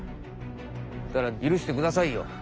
だからゆるしてくださいよ。